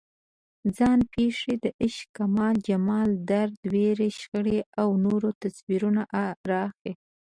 ځان پېښې د عشق، کمال، جمال، درد، ویر، شخړو او نورو تصویرونه راخلي.